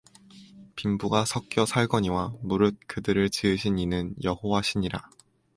빈부가 섞여 살거니와 무릇 그들을 지으신 이는 여호와시니라